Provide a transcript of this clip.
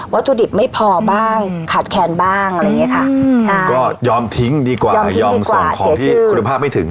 ถุดิบไม่พอบ้างขาดแคนบ้างอะไรอย่างเงี้ยค่ะใช่ก็ยอมทิ้งดีกว่ายอมส่งของที่คุณภาพไม่ถึง